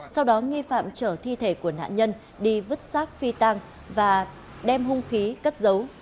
sau đó nghi phạm trở thi thể của nạn nhân đi vứt xác phi tàng và đem hung khí cất dấu